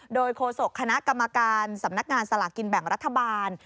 โดยโฆษกคณะกรรมการสำนักงานสลากกินแบ่งรัฐบาล